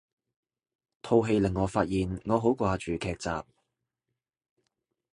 套戲令我發現我好掛住劇集